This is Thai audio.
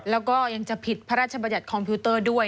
แล้วก็ยังจะผิดพระราชบัญญัติคอมพิวเตอร์ด้วย